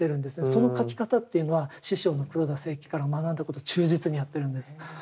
その描き方っていうのは師匠の黒田清輝から学んだことを忠実にやってるんです。